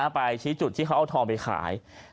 ไปชี้จุดที่เขาเอาทองไปขาย